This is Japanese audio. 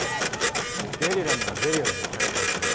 ゲリラにはゲリラで対抗しろと？